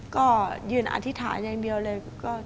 ก็ยืนอธิษฐานอย่างเดียวเลย